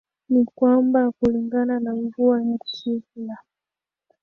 ni kwamba kulingana na mvua ya kila